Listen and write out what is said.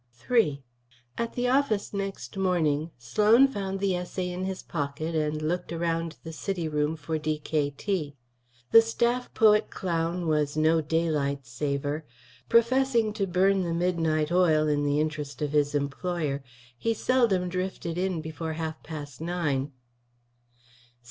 III At the office next morning Sloan found the essay in his pocket and looked around the city room for D.K.T. The staff poet clown was no daylight saver; professing to burn the midnight oil in the interest of his employer, he seldom drifted in before half past nine.